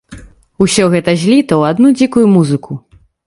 Усё гэта зліта ў адну дзікую музыку.